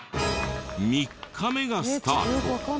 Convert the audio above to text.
３日目がスタート。